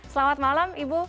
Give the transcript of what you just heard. selamat malam ibu